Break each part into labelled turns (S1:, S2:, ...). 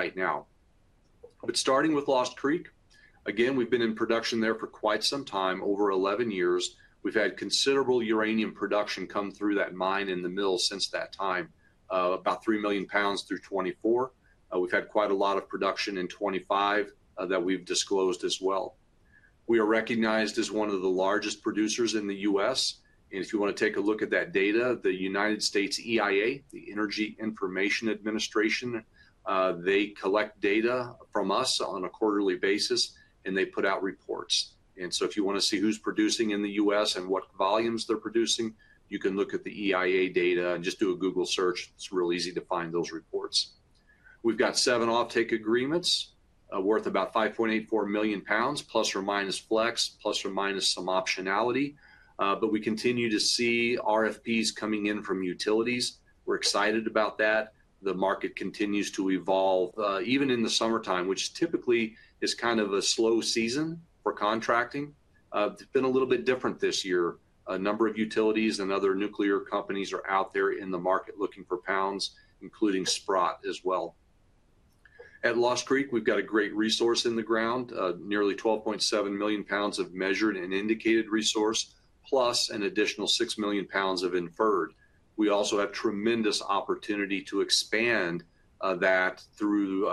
S1: Right now, starting with Lost Creek, again, we've been in production there for quite some time, over 11 years. We've had considerable uranium production come through that mine and the mill since that time, about 3 million through 2024. We've had quite a lot of production in 2025 that we've disclosed as well. We are recognized as one of the largest producers in the U.S. If you want to take a look at that data, the United States EIA, the Energy Information Administration, collects data from us on a quarterly basis, and they put out reports. If you want to see who's producing in the U.S. and what volumes they're producing, you can look at the EIA data and just do a Google search. It's real easy to find those reports. We've got seven offtake agreements worth about 5.84 million pounds, plus or minus flex, plus or minus some optionality. We continue to see RFPs coming in from utilities. We're excited about that. The market continues to evolve, even in the summertime, which typically is kind of a slow season for contracting. It's been a little bit different this year. A number of utilities and other nuclear companies are out there in the market looking for p, including Sprott as well. At Lost Creek, we've got a great resource in the ground, nearly 12.7 million pounds of measured and indicated resource, plus an additional 6 million pounds of inferred. We also have tremendous opportunity to expand that through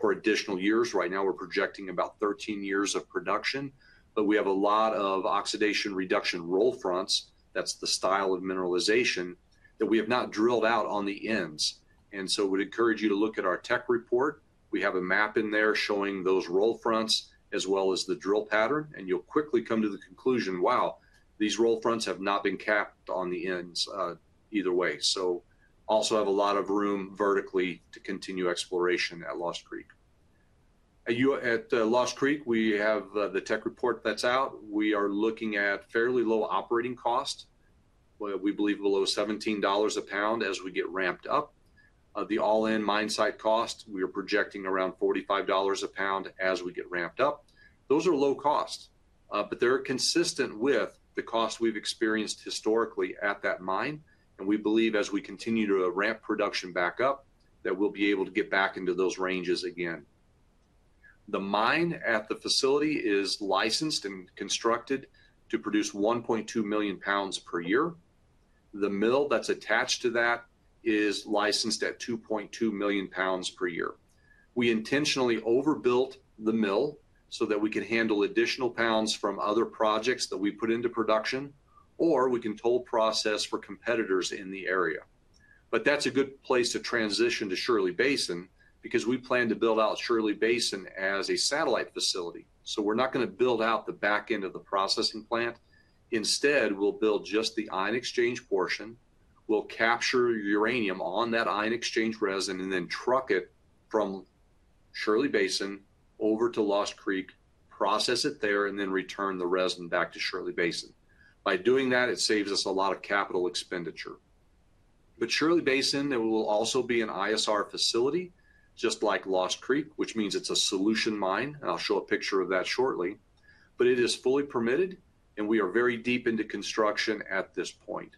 S1: four additional years. Right now, we're projecting about 13 years of production. We have a lot of oxidation reduction roll fronts. That's the style of mineralization that we have not drilled out on the ends. I would encourage you to look at our tech report. We have a map in there showing roll fronts as well as the drill pattern. You'll quickly come to the conclusion, wow, roll fronts have not been capped on the ends either way. We also have a lot of room vertically to continue exploration at Lost Creek. At Lost Creek, we have the tech report that's out. We are looking at fairly low operating costs. We believe below $17 a pound as we get ramped up. The all-in site cost, we are projecting around $45 a pound as we get ramped up. Those are low costs, but they're consistent with the costs we've experienced historically at that mine. We believe as we continue to ramp production back up, that we'll be able to get back into those ranges again. The mine at the facility is licensed and constructed to produce 1.2 million pounds per year. The mill that's attached to that is licensed at 2.2 million pounds per year. We intentionally overbuilt the mill so that we could handle additional p from other projects that we put into production, or we can toll process for competitors in the area. That's a good place to transition to Shirley Basin because we plan to build out Shirley Basin as a satellite facility. We're not going to build out the back end of the processing plant. Instead, we'll build just the ion exchange portion. We'll capture uranium ion exchange resin and then truck it from Shirley Basin over to Lost Creek, process it there, and then return the resin back to Shirley Basin. By doing that, it saves us a lot of capital expenditure. Shirley Basin will also be an ISR facility, just like Lost Creek, which means it's a solution mine. I'll show a picture of that shortly. It is fully permitted, and we are very deep into construction at this point.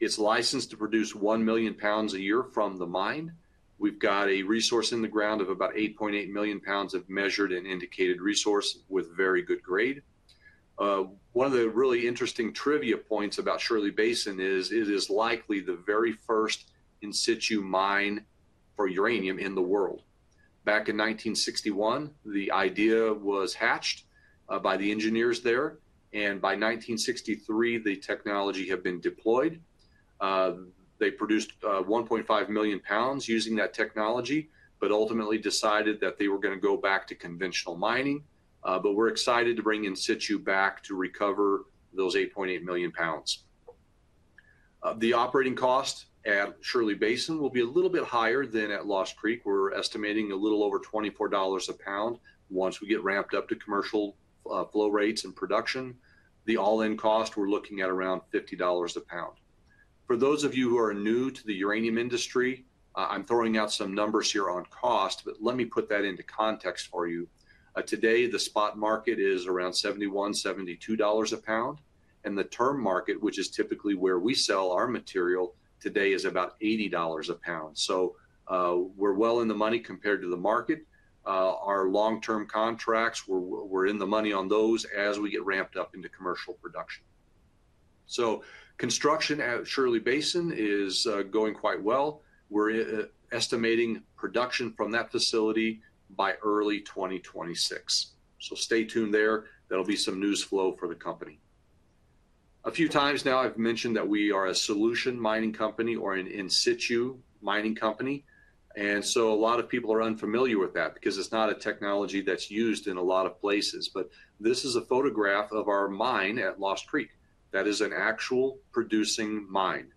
S1: It's licensed to produce 1 million pounds a year from the mine. We've got a resource in the ground of about 8.8 million pounds of measured and indicated resource with very good grade. One of the really interesting trivia points about Shirley Basin is it is likely the very first In Situ mine for uranium in the world. Back in 1961, the idea was hatched by the engineers there. By 1963, the technology had been deployed. They produced 1.5 million pounds using that technology, but ultimately decided that they were going to go back to conventional mining. We're excited to bring In Situ back to recover those 8.8 million pounds. The operating cost at Shirley Basin will be a little bit higher than at Lost Creek. We're estimating a little over $24 a pound once we get ramped up to commercial flow rates and production. The all-in cost, we're looking at around $50 a pound. For those of you who are new to the uranium industry, I'm throwing out some numbers here on cost, but let me put that into context for you. Today, the spot market is around $71, $72 a pound. The term market, which is typically where we sell our material today, is about $80 a pound. We're well in the money compared to the market. Our long-term contracts, we're in the money on those as we get ramped up into commercial production. Construction at Shirley Basin is going quite well. We're estimating production from that facility by early 2026. Stay tuned there. There'll be some news flow for the company. A few times now, I've mentioned that we are a solution mining company or an In Situ mining company. A lot of people are unfamiliar with that because it's not a technology that's used in a lot of places. This is a photograph of our mine at Lost Creek. That is an actual producing mine.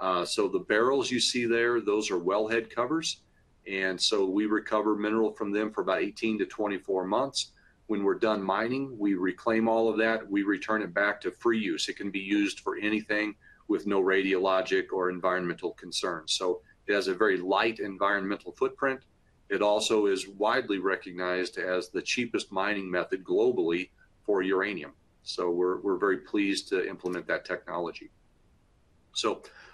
S1: The barrels you see there, those are wellhead covers. We recover mineral from them for about 18 to 24 months. When we're done mining, we reclaim all of that. We return it back to free use. It can be used for anything with no radiologic or environmental concerns. It has a very light environmental footprint. It also is widely recognized as the cheapest mining method globally for uranium. We're very pleased to implement that technology.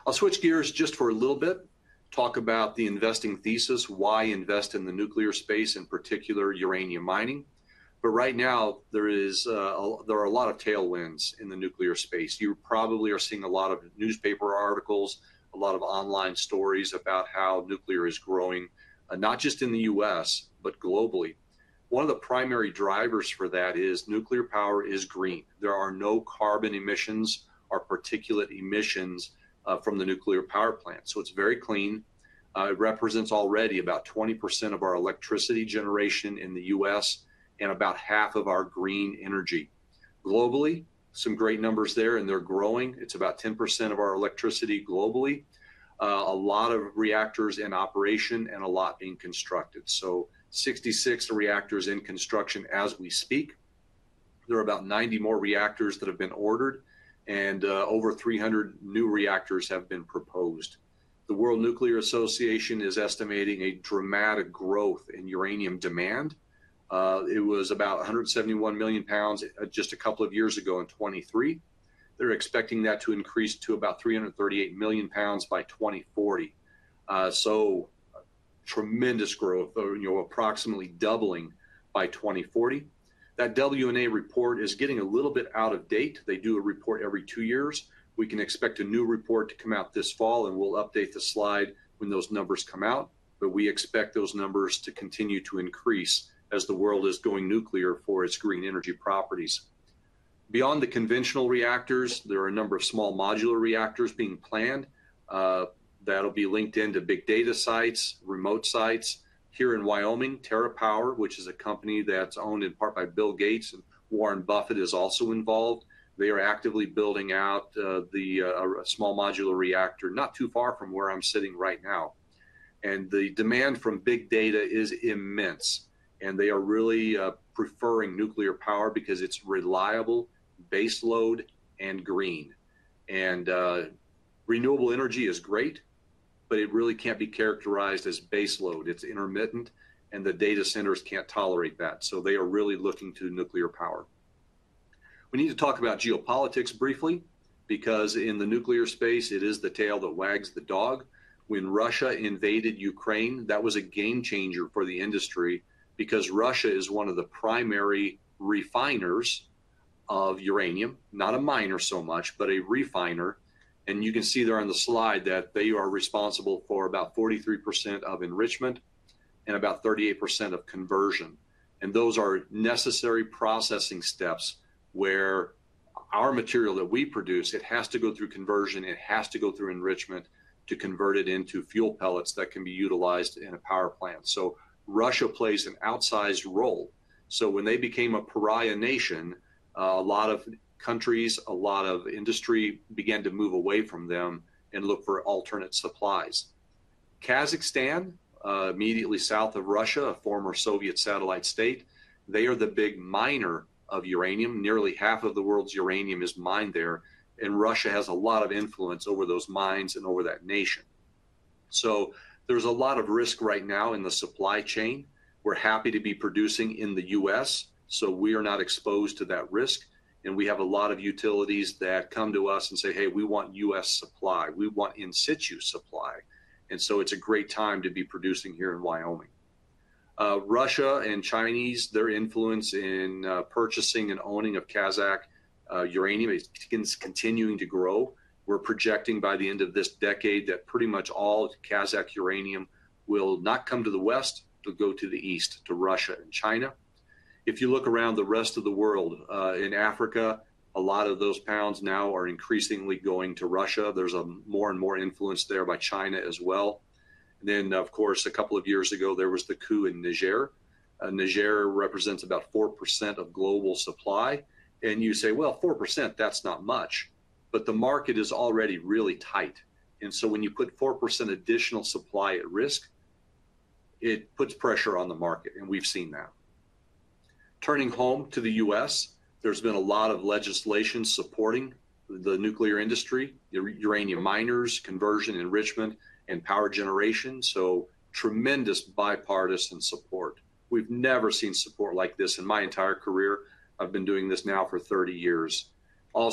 S1: I'll switch gears just for a little bit, talk about the investing thesis, why invest in the nuclear space, in particular, uranium mining. Right now, there are a lot of tailwinds in the nuclear space. You probably are seeing a lot of newspaper articles, a lot of online stories about how nuclear is growing, not just in the U.S., but globally. One of the primary drivers for that is nuclear power is green. There are no carbon emissions or particulate emissions from the nuclear power plant. It's very clean. It represents already about 20% of our electricity generation in the U.S. and about half of our green energy. Globally, some great numbers there, and they're growing. It's about 10% of our electricity globally, a lot of reactors in operation, and a lot being constructed. There are 66 reactors in construction as we speak. There are about 90 more reactors that have been ordered, and over 300 new reactors have been proposed. The World Nuclear Association is estimating a dramatic growth in uranium demand. It was about 171 million pounds just a couple of years ago in 2023. They're expecting that to increase to about 338 million pounds by 2040. Tremendous growth, approximately doubling by 2040. That WNA report is getting a little bit out of date. They do a report every two years. We can expect a new report to come out this fall, and we'll update the slide when those numbers come out. We expect those numbers to continue to increase as the world is going nuclear for its green energy properties. Beyond the conventional reactors, there are a small modular reactors being planned. That'll be linked into big data sites, remote sites. Here in Wyoming, TerraPower, which is a company that's owned in part by Bill Gates and Warren Buffett, is also involved. They are actively building out a small modular reactor not too far from where I'm sitting right now. The demand from big data is immense. They are really preferring nuclear power because it's reliable, baseload, and green. Renewable energy is great, but it really can't be characterized as baseload. It's intermittent, and the data centers can't tolerate that. They are really looking to nuclear power. We need to talk about geopolitics briefly because in the nuclear space, it is the tail that wags the dog. When Russia invaded Ukraine, that was a game changer for the industry because Russia is one of the primary refiners of uranium, not a miner so much, but a refiner. You can see there on the slide that they are responsible for about 43% of enrichment and about 38% of conversion. Those are necessary processing steps where our material that we produce, it has to go through conversion. It has to go through enrichment to convert it into fuel pellets that can be utilized in a power plant. Russia plays an outsized role. When they became a pariah nation, a lot of countries, a lot of industry began to move away from them and look for alternate supplies. Kazakhstan, immediately south of Russia, a former Soviet satellite state, they are the big miner of uranium. Nearly half of the world's uranium is mined there. Russia has a lot of influence over those mines and over that nation. There's a lot of risk right now in the supply chain. We're happy to be producing in the U.S. We are not exposed to that risk. We have a lot of utilities that come to us and say, "Hey, we want U.S. supply. We want In Situ supply." It's a great time to be producing here in Wyoming. Russia and Chinese, their influence in purchasing and owning of Kazakh uranium is continuing to grow. We're projecting by the end of this decade that pretty much all Kazakh uranium will not come to the West, but go to the East, to Russia and China. If you look around the rest of the world, in Africa, a lot of those p now are increasingly going to Russia. There's more and more influence there by China as well. A couple of years ago, there was the coup in Niger. Niger represents about 4% of global supply. You say, "4%, that's not much." The market is already really tight. When you put 4% additional supply at risk, it puts pressure on the market. We've seen that. Turning home to the U.S., there's been a lot of legislation supporting the nuclear industry, the uranium miners, conversion, enrichment, and power generation. Tremendous bipartisan support. We've never seen support like this in my entire career. I've been doing this now for 30 years.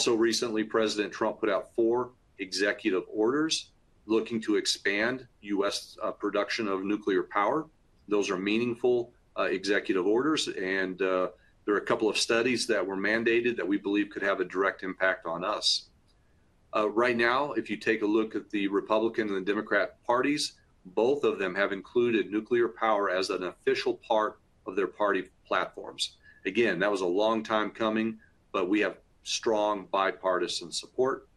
S1: Recently, President Trump put out four executive orders looking to expand U.S. production of nuclear power. Those are meaningful executive orders. There are a couple of studies that were mandated that we believe could have a direct impact on us. Right now, if you take a look at the Republican and the Democrat parties, both of them have included nuclear power as an official part of their party platforms. That was a long time coming, but we have strong bipartisan support.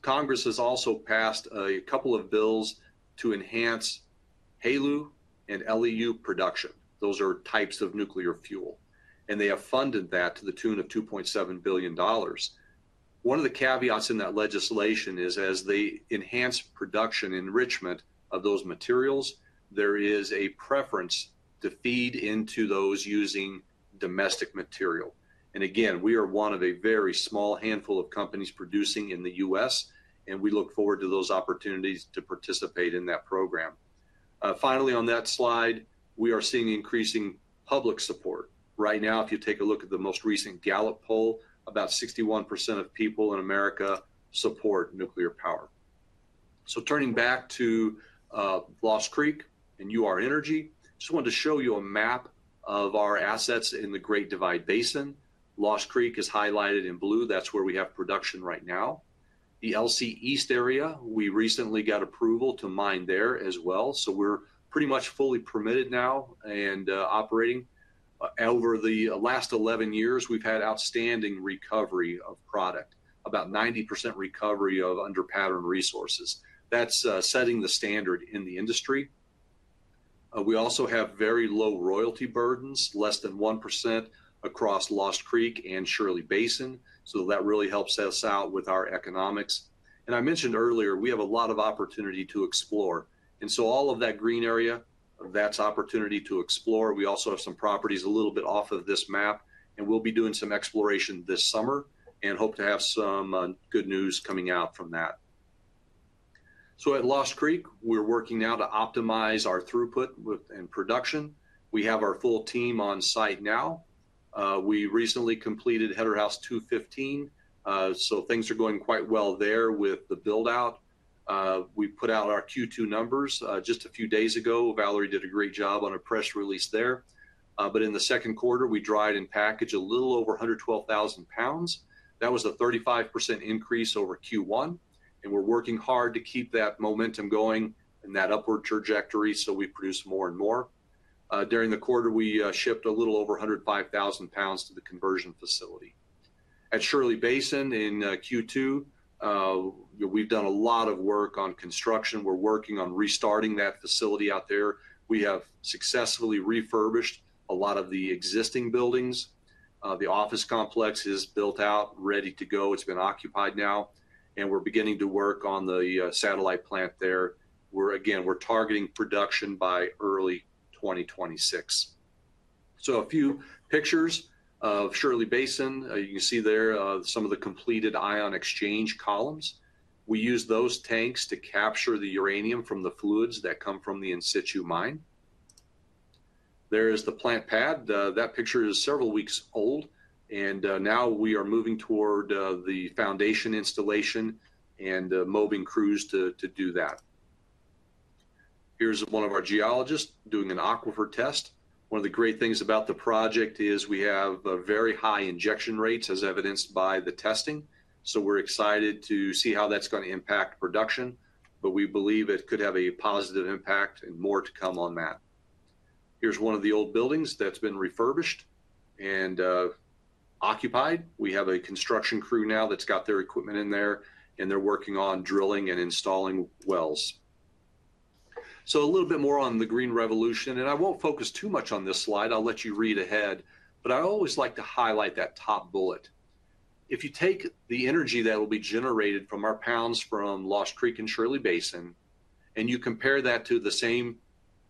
S1: Congress has also passed a couple of bills to enhance HALEU and LEU production. Those are types of nuclear fuel. They have funded that to the tune of $2.7 billion. One of the caveats in that legislation is as they enhance production enrichment of those materials, there is a preference to feed into those using domestic material. We are one of a very small handful of companies producing in the U.S. We look forward to those opportunities to participate in that program. Finally, on that slide, we are seeing increasing public support. Right now, if you take a look at the most recent Gallup poll, about 61% of people in America support nuclear power. Turning back to Lost Creek and Ur-Energy, I just wanted to show you a map of our assets in the Great Divide Basin. Lost Creek is highlighted in blue. That's where we have production right now. The LC East area, we recently got approval to mine there as well. We're pretty much fully permitted now and operating. Over the last 11 years, we've had outstanding recovery of product, about 90% recovery of under pattern resources. That's setting the standard in the industry. We also have very low royalty burdens, less than 1% across Lost Creek and Shirley Basin. That really helps us out with our economics. I mentioned earlier, we have a lot of opportunity to explore. All of that green area, that's opportunity to explore. We also have some properties a little bit off of this map. We'll be doing some exploration this summer and hope to have some good news coming out from that. At Lost Creek, we're working now to optimize our throughput and production. We have our full team on site now. We recently completed Header House 215. Things are going quite well there with the build-out. We put out our Q2 numbers just a few days ago. Valerie did a great job on a press release there. In the second quarter, we dried and packaged a little over 112,000 pounds. That was a 35% increase over Q1. We're working hard to keep that momentum going in that upward trajectory so we produce more and more. During the quarter, we shipped a little over 105,000 pounds to the conversion facility. At Shirley Basin in Q2, we've done a lot of work on construction. We're working on restarting that facility out there. We have successfully refurbished a lot of the existing buildings. The office complex is built out, ready to go. It's been occupied now. We're beginning to work on the satellite plant there. We're targeting production by early 2026. A few pictures of Shirley Basin show some of the completed ion exchange columns. We use those tanks to capture the uranium from the fluids that come from the In Situ mine. There is the plant pad. That picture is several weeks old. Now we are moving toward the foundation installation and moving crews to do that. Here's one of our geologists doing an aquifer test. One of the great things about the project is we have very high injection rates, as evidenced by the testing. We're excited to see how that's going to impact production. We believe it could have a positive impact and more to come on that. Here's one of the old buildings that's been refurbished and occupied. We have a construction crew now that's got their equipment in there. They're working on drilling and installing wells. A little bit more on the green revolution. I won't focus too much on this slide. I'll let you read ahead. I always like to highlight that top bullet. If you take the energy that will be generated from our pounds from Lost Creek and Shirley Basin and you compare that to the same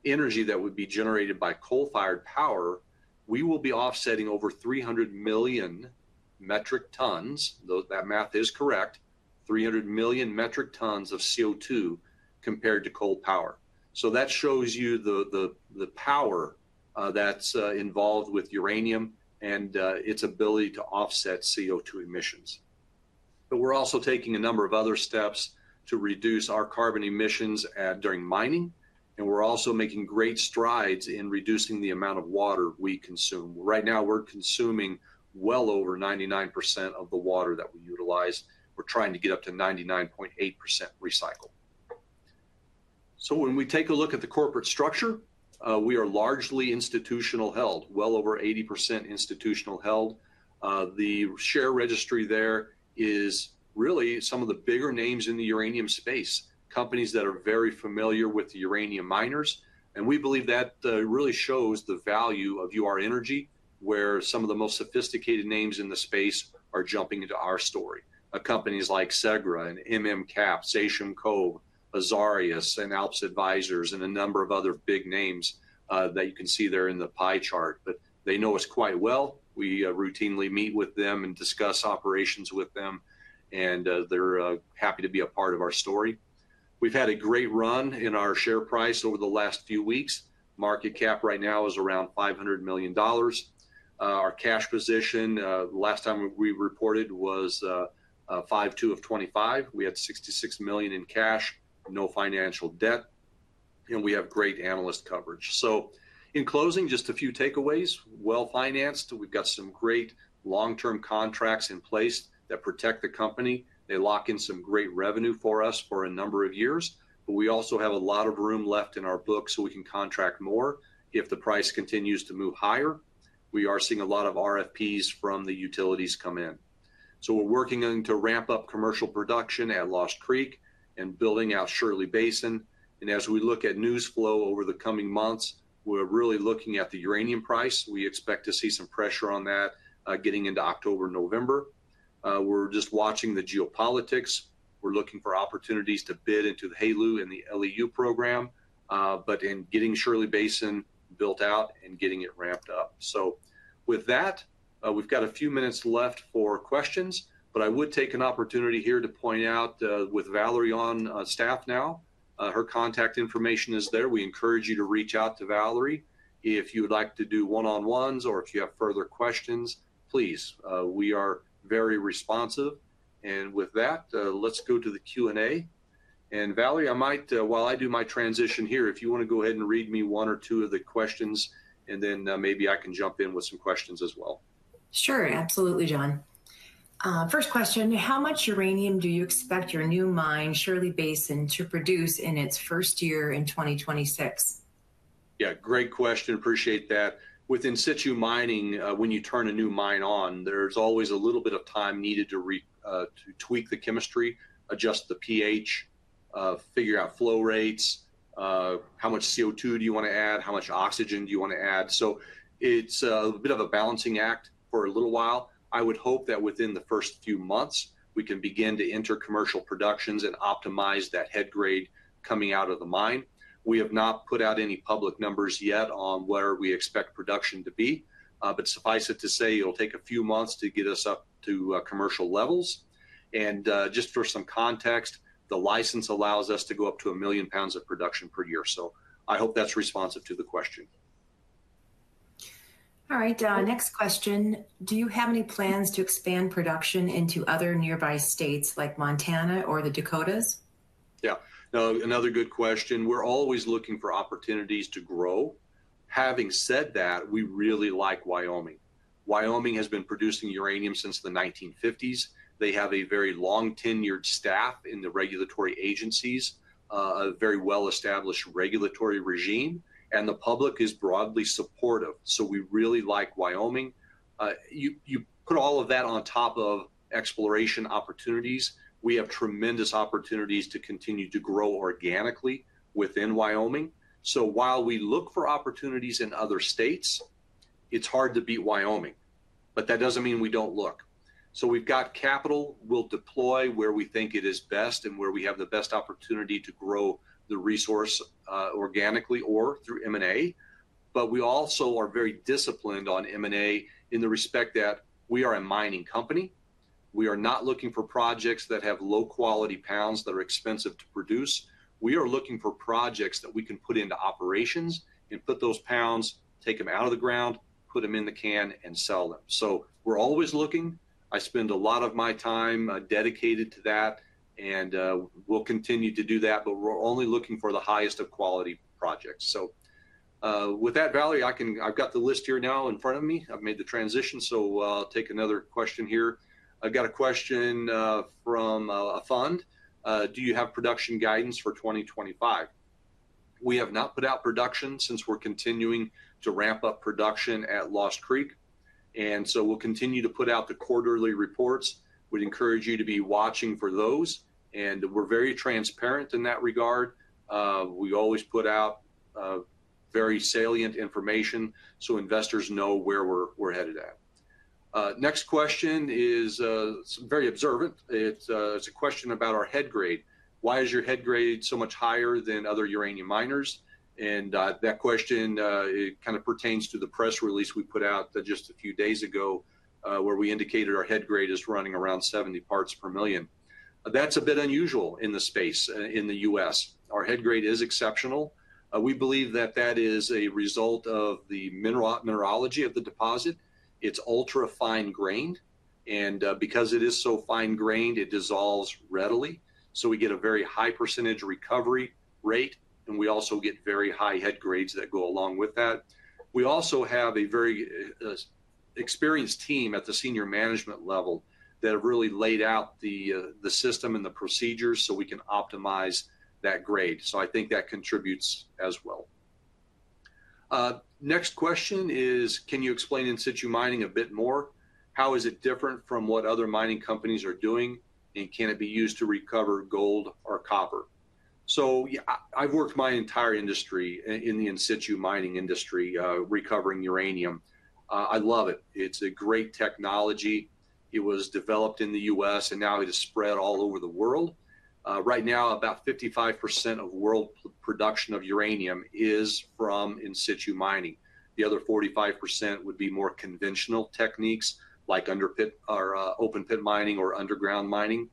S1: energy that would be generated by coal-fired power, we will be offsetting over 300 million metric tons. That math is correct, 300 million metric tons of CO2 compared to coal power. That shows you the power that's involved with uranium and its ability to offset CO2 emissions. We're also taking a number of other steps to reduce our carbon emissions during mining. We're also making great strides in reducing the amount of water we consume. Right now, we're consuming well over 99% of the water that we utilize. We're trying to get up to 99.8% recycled. When we take a look at the corporate structure, we are largely institutionally held, well over 80% institutionally held. The share registry there is really some of the bigger names in the uranium space, companies that are very familiar with the uranium miners. We believe that really shows the value of Ur-Energy, where some of the most sophisticated names in the space are jumping into our story, companies like Segra, Sachem Cove, Azarias, and ALPS Advisors, and a number of other big names that you can see there in the pie chart. They know us quite well. We routinely meet with them and discuss operations with them. They're happy to be a part of our story. We've had a great run in our share price over the last few weeks. Market cap right now is around $500 million. Our cash position, the last time we reported, was $66 million in cash, no financial debt. We have great analyst coverage. In closing, just a few takeaways: well financed. We've got some great long-term contracts in place that protect the company. They lock in some great revenue for us for a number of years. We also have a lot of room left in our books so we can contract more if the price continues to move higher. We are seeing a lot of RFPs from the utilities come in. We're working to ramp up commercial production at Lost Creek and building out Shirley Basin. As we look at news flow over the coming months, we're really looking at the uranium price. We expect to see some pressure on that getting into October and November. We're just watching the geopolitics. We're looking for opportunities to bid into the HALEU and the LEU program, in getting Shirley Basin built out and getting it ramped up. With that, we've got a few minutes left for questions. I would take an opportunity here to point out with Valerie on staff now, her contact information is there. We encourage you to reach out to Valerie if you would like to do one-on-ones or if you have further questions, please. We are very responsive. With that, let's go to the Q&A. Valerie, I might, while I do my transition here, if you want to go ahead and read me one or two of the questions, and then maybe I can jump in with some questions as well.
S2: Sure, absolutely, John. First question, how much uranium do you expect your new mine, Shirley Basin, to produce in its first year in 2026?
S1: Yeah, great question. Appreciate In Situ recovery mining, when you turn a new mine on, there's always a little bit of time needed to tweak the chemistry, adjust the pH, figure out flow rates, how much CO2 you want to add, how much oxygen you want to add. It's a bit of a balancing act for a little while. I would hope that within the first few months, we can begin to enter commercial production and optimize that head grade coming out of the mine. We have not put out any public numbers yet on where we expect production to be. Suffice it to say, it'll take a few months to get us up to commercial levels. Just for some context, the license allows us to go up to 1 million pounds of production per year. I hope that's responsive to the question.
S2: All right, next question. Do you have any plans to expand production into other nearby states like Montana or the Dakotas?
S1: Yeah, another good question. We're always looking for opportunities to grow. Having said that, we really like Wyoming. Wyoming has been producing uranium since the 1950s. They have a very long-tenured staff in the regulatory agencies, a very well-established regulatory regime, and the public is broadly supportive. We really like Wyoming. You put all of that on top of exploration opportunities. We have tremendous opportunities to continue to grow organically within Wyoming. While we look for opportunities in other states, it's hard to beat Wyoming. That doesn't mean we don't look. We've got capital. We'll deploy where we think it is best and where we have the best opportunity to grow the resource organically or through M&A. We also are very disciplined on M&A in the respect that we are a mining company. We are not looking for projects that have low-quality p that are expensive to produce. We are looking for projects that we can put into operations and put those p, take them out of the ground, put them in the can, and sell them. We're always looking. I spend a lot of my time dedicated to that. We'll continue to do that. We're only looking for the highest of quality projects. With that, Valerie, I've got the list here now in front of me. I've made the transition. I'll take another question here. I've got a question from a fund. Do you have production guidance for 2025? We have not put out production since we're continuing to ramp up production at Lost Creek. We'll continue to put out the quarterly reports. We'd encourage you to be watching for those. We're very transparent in that regard. We always put out very salient information so investors know where we're headed at. Next question is very observant. It's a question about our head grade. Why is your head grade so much higher than other uranium miners? That question kind of pertains to the press release we put out just a few days ago where we indicated our head grade is running around 70 parts per million. That's a bit unusual in the space in the U.S. Our head grade is exceptional. We believe that that is a result of the mineralogy of the deposit. It's ultra-fine grained. Because it is so fine grained, it dissolves readily. We get a very high percentage recovery rate. We also get very high head grades that go along with that. We also have a very experienced team at the Senior Management level that have really laid out the system and the procedures so we can optimize that grade. I think that contributes as well. Next question is, can you explain In Situ mining a bit more? How is it different from what other mining companies are doing? Can it be used to recover gold or copper? I've worked my entire industry in the In Situ mining industry recovering uranium. I love it. It's a great technology. It was developed in the U.S. and now it has spread all over the world. Right now, about 55% of world production of uranium is from In Situ mining. The other 45% would be more conventional techniques like open pit mining or underground mining.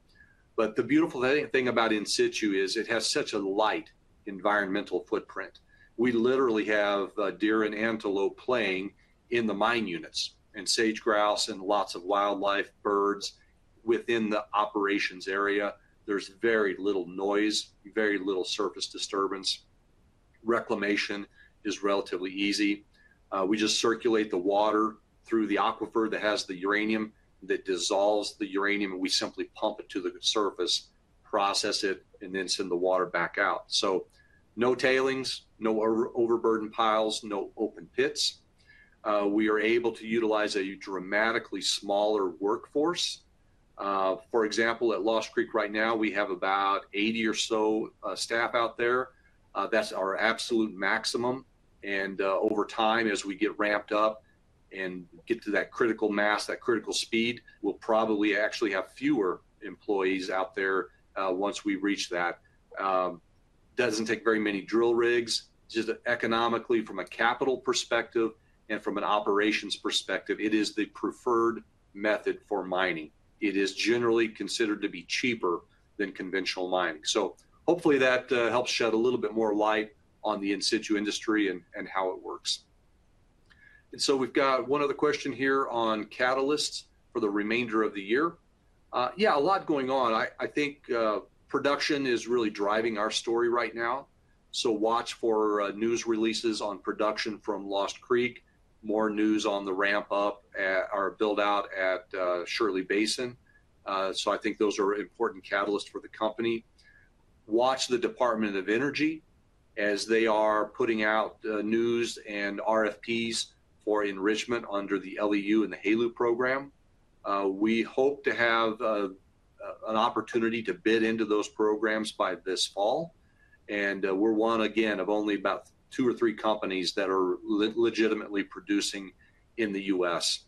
S1: The beautiful thing about In Situ is it has such a light environmental footprint. We literally have deer and antelope playing in the mine units and sage grouse and lots of wildlife birds within the operations area. There's very little noise, very little surface disturbance. Reclamation is relatively easy. We just circulate the water through the aquifer that has the uranium that dissolves the uranium. We simply pump it to the surface, process it, and then send the water back out. No tailings, no overburden piles, no open pits. We are able to utilize a dramatically smaller workforce. For example, at Lost Creek right now, we have about 80 or so staff out there. That's our absolute maximum. Over time, as we get ramped up and get to that critical mass, that critical speed, we'll probably actually have fewer employees out there once we reach that. Doesn't take very many drill rigs. Economically, from a capital perspective and from an operations perspective, it is the preferred method for mining. It is generally considered to be cheaper than conventional mining. Hopefully, that helps shed a little bit more light on the In Situ industry and how it works. We've got one other question here on catalysts for the remainder of the year. A lot going on. I think production is really driving our story right now. Watch for news releases on production from Lost Creek, more news on the ramp-up or build-out at Shirley Basin. I think those are important catalysts for the company. Watch the Department of Energy as they are putting out news and RFPs for enrichment under the LEU and the HALEU program. We hope to have an opportunity to bid into those programs by this fall. We're one, again, of only about two or three companies that are legitimately producing in the U.S.,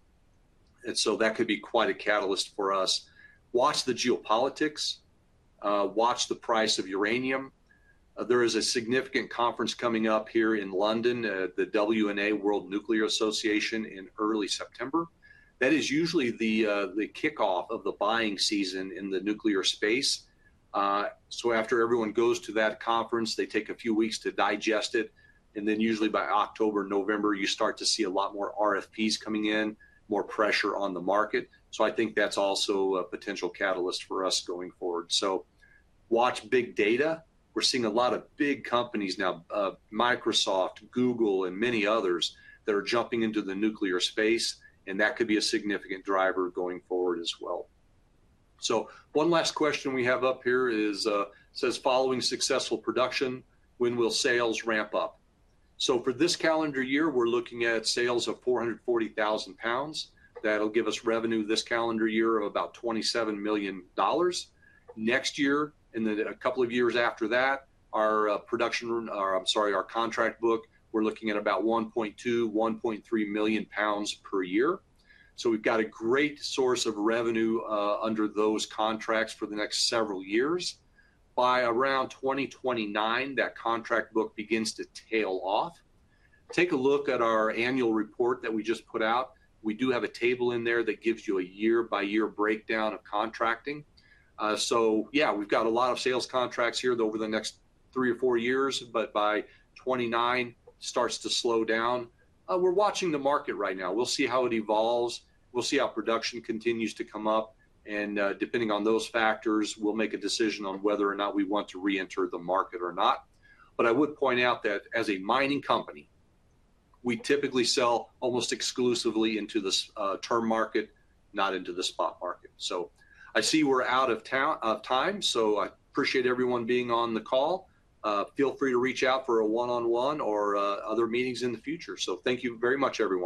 S1: and that could be quite a catalyst for us. Watch the geopolitics. Watch the price of uranium. There is a significant conference coming up here in London, the WNA, World Nuclear Association, in early September. That is usually the kickoff of the buying season in the nuclear space. After everyone goes to that conference, they take a few weeks to digest it, and usually by October, November, you start to see a lot more RFPs coming in, more pressure on the market. I think that's also a potential catalyst for us going forward. Watch big data. We're seeing a lot of big companies now, Microsoft, Google, and many others that are jumping into the nuclear space, and that could be a significant driver going forward as well. One last question we have up here says, following successful production, when will sales ramp up? For this calendar year, we're looking at sales of 440,000 pounds. That'll give us revenue this calendar year of about $27 million. Next year, and then a couple of years after that, our production, or I'm sorry, our contract book, we're looking at about 1.2, 1.3 million pounds per year. We've got a great source of revenue under those contracts for the next several years. By around 2029, that contract book begins to tail off. Take a look at our annual report that we just put out. We do have a table in there that gives you a year-by-year breakdown of contracting. We've got a lot of sales contracts here over the next three or four years, but by 2029, it starts to slow down. We're watching the market right now. We'll see how it evolves. We'll see how production continues to come up, and depending on those factors, we'll make a decision on whether or not we want to re-enter the market or not. I would point out that as a mining company, we typically sell almost exclusively into the term market, not into the spot market. I see we're out of time. I appreciate everyone being on the call. Feel free to reach out for a one-on-one or other meetings in the future. Thank you very much, everyone.